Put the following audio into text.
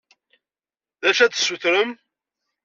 D acu ad d-tessutrem?